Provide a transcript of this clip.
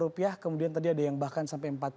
rupiah kemudian tadi ada yang bahkan sampai